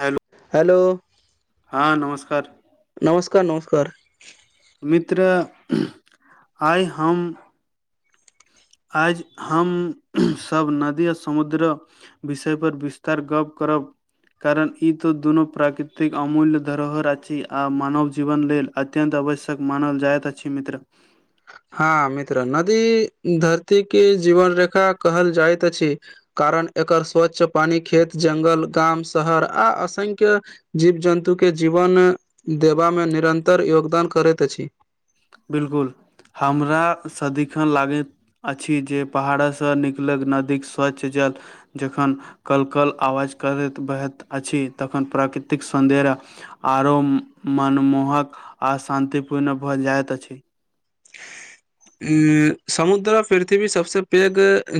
Hello hello हँ नमस्कार नमस्कार नमस्कार मित्र आय‌ हम आयज हमसभ नदी आर समुद्र विषय पर विस्तार गप करब कारण ई तो दुनू प्राकृतिक अमूल्य धरोहर अछि आ मानव जीवन लेल अत्यन्त आवश्यक मानल जाइत अछि मित्र हँ मित्र नदी धरती के जीवन रेखा कहल जाइत अछि। कारण एकर स्वच्छ पानी खेत जंगल गाम शहर आ असंख्य जीव जन्तु के जीवन देबामे निरन्तर योगदान करैत अछि। बिलकुल हमरा सदिखन लागैत अछि जे पहाड़सँ निकलक नदीक स्वच्छ जल जखन कल कल आवाज करैत बहैत अछि तखन प्राकृतिक सौध्यर्य आरो मनमोहक आ शान्ति पूर्ण भ जाइत अछि समुद्र पृथ्वी सबसँ पैघ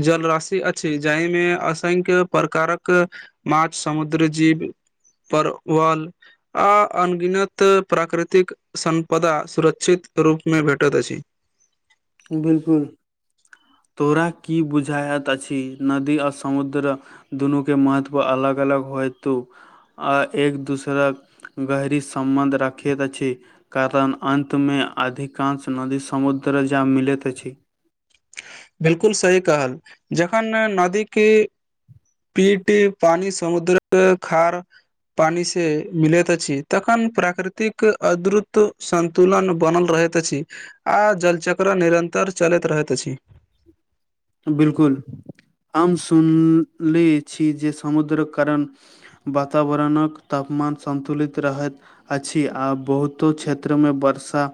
जलराशि अछि जाहिमे असंख्य प्रकारक माछ समुद्र जीव परवल आ अनगिनत प्राकृतिक संपदा सुरक्षित रूपमे भेटैत अछि बिलकुल तोरा की बुझाायइत अछि नदी आ समुद्र दुनू के महत्व अलग अलग होय त आ एक दूसराक गहरी सम्बन्ध राखैत अछि कारण अन्तमे अधिकांश नदी समुद्र जा मिलैत अछि बिलकुल सही कहल जखन नदीे पीटे पानी समुद्रक खार पानी से मिलैत अछि तखन प्राकृतिक अद्रुत सन तुलन बनल रहैत अछि आ जलचक्र निरन्तर चलैत रहैत अछि बिलकुल हम सुन ली छी जे समुद्रक कारण वातावरणक तापमान सन्तुलित रहैत अछि आ बहुतो क्षेत्रमें वर्षा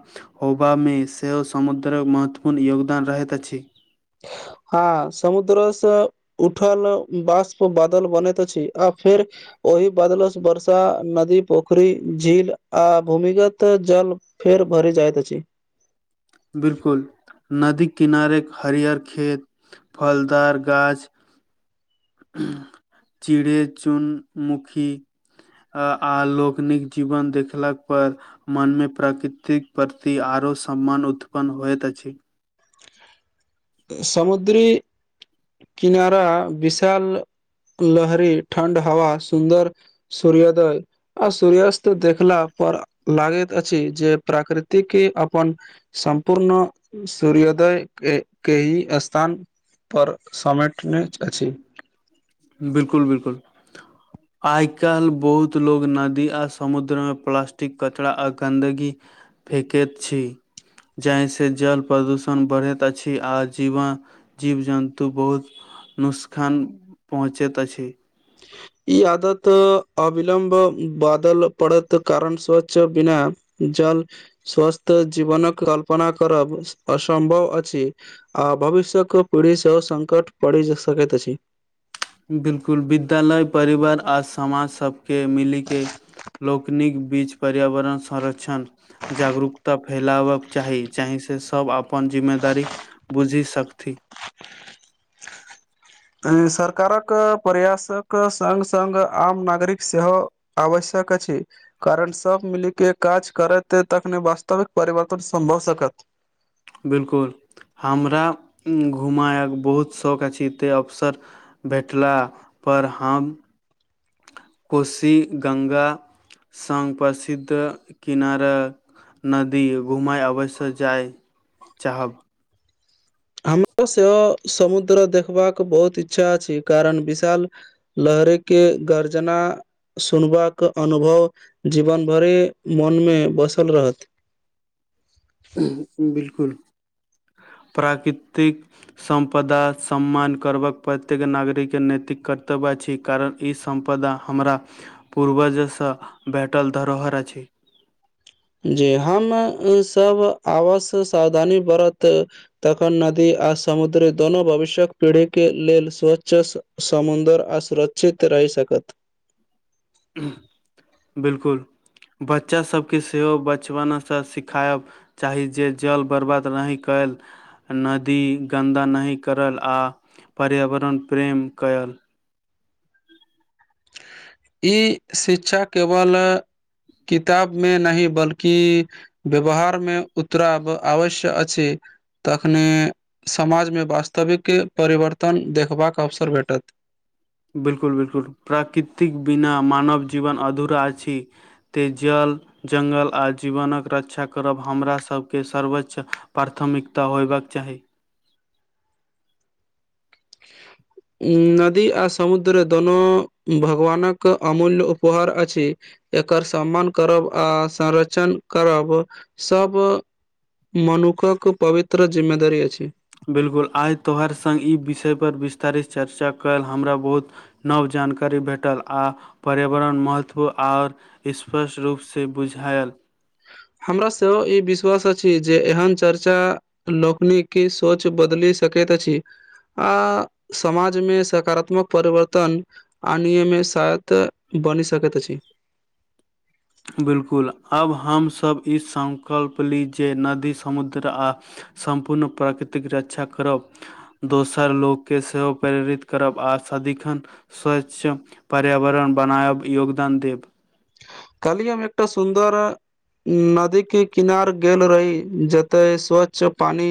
होबामे सेहो समुद्रक महत्वपूर्ण योगदान रहैत अछि हाँ समुद्रोसँ उठल बाष्प बादल बनैत छी आ फेर ओहि बदल सँ वर्षा नदी पोखरी झील आ भूमिगत जल फेर भरि जाइत अछि बिलकुल नदी किनारेक हरियर खेत फलदार गाछ चिड़े चुन मुखी आ आहाँ लोकनिक जीवन देखलाक पर मन में प्रकृतिक प्रति आरो सम्मान उत्पन्न होइत अछि समुद्री किनारा विशाल लहरी ठणंड हवा सुन्दर सूर्योदय आ सूर्यस्त देखला पर लागैत अछि जे प्रकृतिक के अपन सम्पूर्ण सूर्योदय के केही स्थान पर समेटने अछि बिलकुल बिलकुल आइ काल्ह बहुत लोग नदी आ समुद्र में प्लास्टिक कचरा आ गंन्दगी फेकैत छी जाहिसँ जल प्रदूषण बढ़ैत अछि आ जीवन जीव जन्तु बहुत नुसखान पहुँचैत अछि ई आदत अविलम्ब बदल पड़त कारण स्वच्छ बिना जल स्वस्थ जीवन कल्पना करब असम्भव अछि आ भविष्यक पीढ़ी सेहो संकट पड़ि सकैत अछि बिलकुल विद्यालय परिवार आ समाज सभके मिलीे के लोकनिक बीच पर्यावरण संरक्षण जागरूकता फैलाबक चाही जाहि से सब आपन जिम्मेदारी बुझि सकथि सरकारक प्रयासक सङ्ग सङ्ग आम नागरिक सेहो आवश्यक अछि कारण सब मिली के काज करते तखने वास्तविक परिवर्तन सम्भव सकत बिलकुल हमरा घुमायक बहुत शौक अछि तैं अफसर भेटला पर हम कोशी गंगा संग प्रसिद्ध किनारक नदी घुमय अवश्य जाय चाहब हमरो सेहो समुद्र देखबाक बहुत इच्छा अछि कारण विशाल लहरे के गर्जना सुनबाक अनुभव जीवन भरे मनमे बसल रहत [unintelligible] बिलकुल प्राकृतिक सम्पदा सम्मान करबाक प्रत्येक नागरिकके नैतिक कर्तव्य अछि कारण ई सम्पदा हमरा पूर्वजसँ भेटल धरोहर अछि जी हम सब आवस सावधानी बरत तखन नदी आ समुद्र दोनो भविष्य्यक पीढ़ी के लेल स्वच्छ समुद्र आसुरक्षित रहि सकत बिलकुल बच्चा सभ के सेहो बचपना सँ सिखायब चाही जे जल बरबाद नहि करत। नदी गन्दा नहि करल आ पर्यावरण प्रेम करत। ई शिक्षा केवल किताब में नहि बल्कि। व्यवहार में उतराब आवश्य अछि छै। तखने समाज में वास्तविक परिवर्तन। देखबाक अवसर भेटत बिलकुल बिलकुल प्राकृतिक बिना मानव जीवन अधूरा अछि। ते जल जंगल आ जीवनक रक्षा करब हमरा सभ के सर्वोच्च प्राथमिकता होयबाके चाही। नदी आ समुद्र दोनो भगवानक अमूल्य उपहार अछि। एकर सम्मान करब आ संर्षण करब सभ। मनुखक के पवित्र जिम्मेदारी अछि। बिल्कुल आइ तोहार संग ई विषयपर विस्तारित चर्चा कयल हमरा बहुत। नव जानकारी भेटल आ पर्यावरण महत्व ओर स्पष्ट रूपसँ बुझायल। हमरा सेहो ई विश्वास अछि जे एहन चर्चा। लोकोकन की सोच बदल सकैत अछि। आ समाजमे सकारात्मक परिवर्तन। अनियमित सायत बनि सकैत छी। बिलकुल अब हमरा सभ ई संङकल्प ली जे नदी समुद्र आ सम्पूर्ण प्राकृतिक रक्षा करब। दोसर लोकके सेहो प्रेरित करब आ सदिखन। स्वच्छ पर्यावरण बनायब योगदान देब। काली हम एकटा सुन्दर। नदी के किनार गेल रही जते स्वच्छ पानी।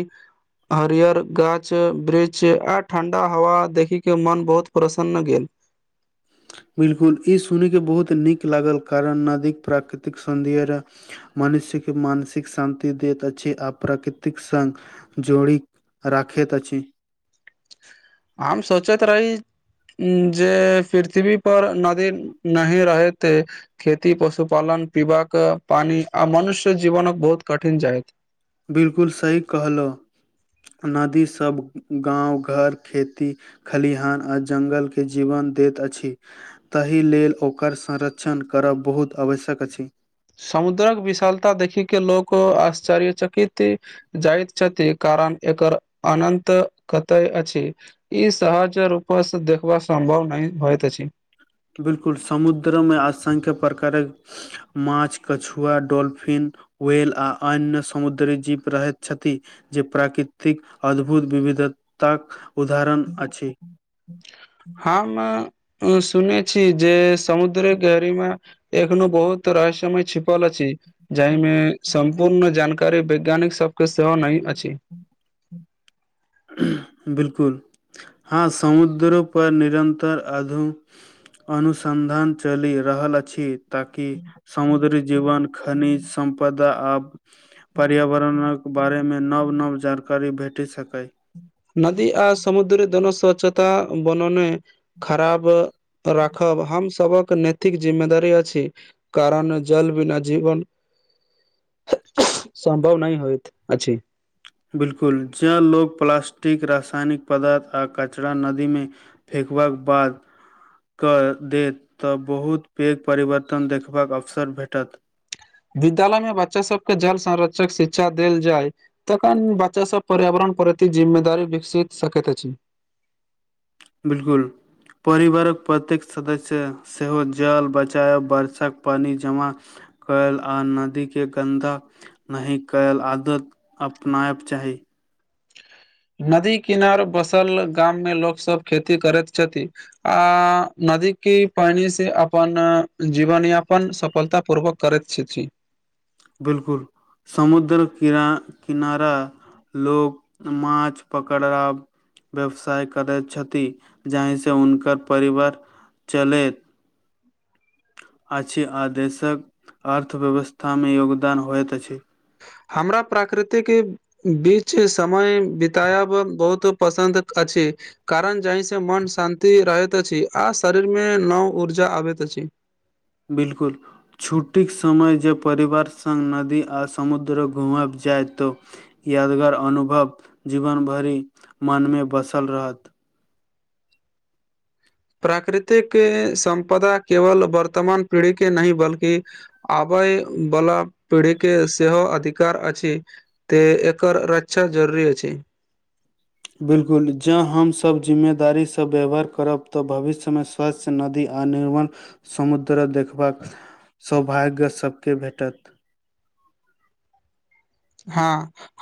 हरियर गाछ वृक्ष आ ठंडा हवा देखी के मन बहुत प्रसन्न गेल। बिलकुल ई सुनै के बहुत नीक लागल कारण नदीक प्राकृतिक सौध्य। मनुष्यके मानसिक शान्ति दैत अछि। आ प्राकृतिक सँ जोड़ी राखैत अछि। हम सोचैत रही। आ जे पृथ्वी पर नदी नहैर रहैत ऐय। खेती पशुपालन पीबाक पानी आ मनुष्य जीवन बहुत कठिन जायत। बिलकुल सही कहलउ नदी सभ गाँव घोर खेती खलिहान आ जंगल के जीवन दैत अछि। तहि लेल ओकर संरक्षण करब बहुत आवश्यक अछि। समुद्रक विशालता देखि के लोको आश्चर्य चकित। जाइत छथिन कारण एकर अनन्त कतय अछि। ई सहज रूपसँ देखबा संभाव नहि होइत अछि बिल्कुल समुद्र में असंख्यक प्रकारक माछ कछुवा डॉल्फिन। व्येल अन्य समुद्री जीव रहे छै जे प्राकृतिक अद्भुत विविधताक उदाहरण अछि। हमे सुने छी जे समुद्र गहरी में एखनो बहुत रहस्यमय छिपल अछि जाहि में सम्पूर्ण जानकारी वैज्ञानिक सभके सेहो नहि अछि। बिल्कुल हँ समुद्रो पर निरन्तर अधू अनुसन्धान चलि रहल अछि ताकि समुद्री जीवन खनि सम्पदा आब पर्यावरणक बारेमे नव नव जानकारी भेटै सकैय नदी आ समुद्र दोनो स्वच्छता बनने खराब राखब हम सबक नैथिक जिम्मेदारी अछि कारन जल बिना जीवन संम्भव नै होयत अछि बिल्कुल जें लोक प्लास्टि रासायनिक पदार्थ आ कचरा नदी मे फेकबाक बाद कऽ देत तऽ बहुत पैघ परिवर्तन देखबाक अवसर भेटत विद्यालय मे बच्चा सबके जल संरक्षक शिक्षा देल जाय तखन बच्चा सब पर्यावरण प्रति जिम्मेदारी विकसि सकैत अिछ बिल्कुल परिवारक प्रत्येक सदस्य सेहो जल बच बरसक पानि जमा कैल आन नदी के गंन्दा नहि कैएल आदत अपनायब चाही नदी किनार बसल गाम मे लोक सब खेती करैत छथि आ नदी की पानी से अपन जीवन यापन सफलता पूर्वक करैत छथि बिल्कुल समुद्र किना -किनारा लोक माछ पकड़ाब व्यवसाय करैत छथि जाहिंस हुनकर परिवार चलैत अछि आ देशक अर्थव्यवस्थामे योगदान होइत अछि हामरा प्राकृतिकी बीच समय बितायब बहुत पसंन्दित अछि कारण जहि सँ मन शान्ति रहैत अछि आ शरीर मे नव ऊर्जा आबैत अछि बिल्कुल छुट्टीक समय जे परिवार संग नदी आ समुद्र घूमब जाय तऽ यादगार अनुभव जीवन भरि मनमे बसल रहत प्राकृतिक सम्पदा केवल वर्तमान पीढ़ी के नहि बल्कि आबै बला पीढ़ी के सेहो अधिकार अछि ते एकर रक्षा जरूरी अछि बिल्कुल जँ हमसब जिम्मेदारीसँ व्यवहर करब तऽ भविष्यमे स बस नदी आ निर्माण समुद्र देखबाक सौभाग्य सबके भेटत हँ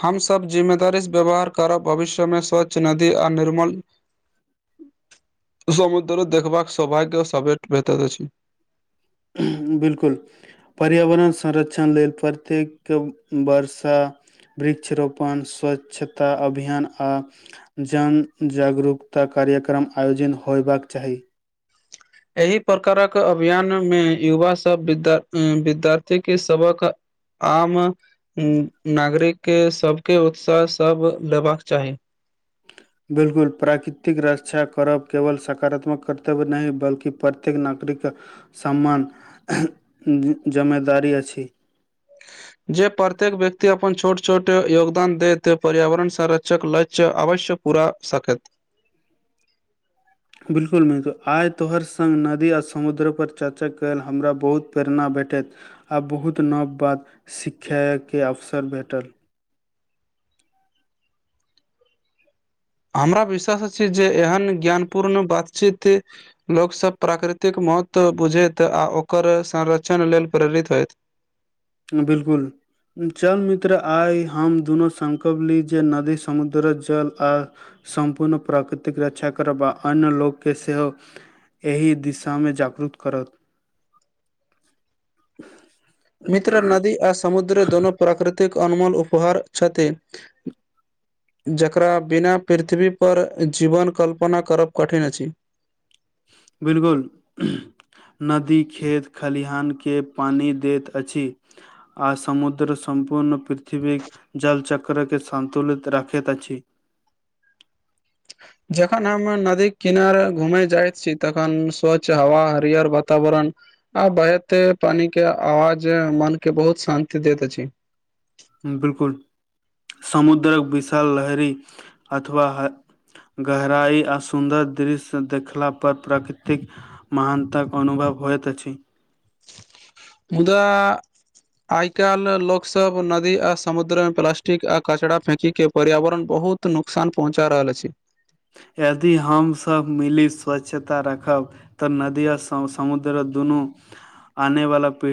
हमसब जिम्मेदारी स व्यवहार करब भविष्यमे स्वच्छ नदी आ निर्मल ह [inaudible] समुद्र देखबाक सौभाग्य सबेट भेटल अछी बिल्कुल पर्यावरण संरक्षण लेल प्रत्येक वर्षा वृक्षरोपण स्वच्छता अभियान आ जन जागरूकता कार्यक्रम आयोजन होयबाक चाही एहि प्रकारक अभियान मे युवा सब विद्या विद्यार्थीक सबक आम नागरिक के सबके उत्साह सब लेबाका चाही बिल्कुल प्राकृतिक रक्षा करब केवल सकारात्मक कर्तव्य नहि बल्कि प्रत्येक नागरिक सम्मान जमेदारी अछि। [inaudible] जे प्रत्येक व्यक्ति अपन छोट छोट योगदान देैत पर्यावरण संरक्षक लक्ष्य आवश्य पूरा सकत बिल्कुल मित्र आइ तोहर संग नदी आ समुद्र पर चर्चा कयल हमरा बहुत प्रेरणा भेटैत आ बहुत नव बात शिखयके अवसर भेटल हमरा विश्वास अछि जे एहन ज्ञानपूर्ण बातचीत लोकसभ प्राकृतिक महत्व बुझैत आ ओकर संरक्षण लेल प्रेरित होयत बिल्कुल चल मित्र आइ हम दुनू संकल्प ली जे नदी समुद्र जल आ सम्पूर्ण प्राकृतिक रक्षा करबा अन्य लोकके सेहो एहि दिशामे जागरूत करत मित्र नदी आ समुद्र दोनो प्राकृतिक अनमोल उपहार छथि जकरा बिना पृथ्वीपर जीवन कल्पना करब कठिन अछि। बिल्कुल नदी खेत खलिहान के पानी दैत अछि। आ समुद्र सम्पूर्ण पृथ्वीक जल चक्र के सन्तुलित राखैत अछि। जखन हम नदीक किनार घूमे जाइत छी तखन स्वच्छ हवा हरियर वातावरण। आ बहैते पानी के आवाज मन के बहुत शान्ति दैत अछि। बिल्कुल समुद्रक विशाल लहरी अथवा गहराइ आ सुन्दर दृश्य देखला पर प्राकृतिक। महानताक अनुभव होइत अछि। मुदा आइ काल्हि लोक सब नदी आ समुद्र मे प्लास्टिक आ कचड़ा फेेकी के पर्यावरण बहुत नुकसान पहुँचा रहल अछि। यदि हमसभ मिली स्वच्छता रखब। तऽ नदी आ समुद्र दुनू आनेवाला पीढ़ी